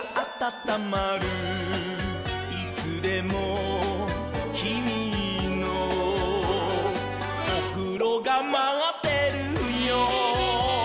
「いつでもきみのおふろがまってるよ」